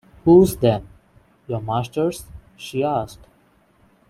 ‘Whose then — your master’s?’ she asked.